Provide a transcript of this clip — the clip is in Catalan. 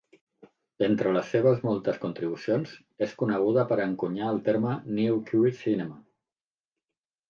Entre les seves moltes contribucions, és coneguda per encunyar el terme New Queer Cinema.